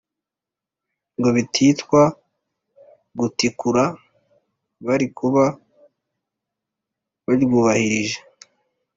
ngo bititwa “gutikura” bari kuba baryubahirije?